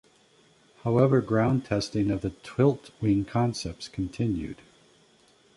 However ground testing of the tiltwing concepts continued.